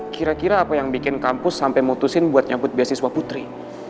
kira kira apa yang bikin kampus sampai mutusin buat nyabut beasiswa putri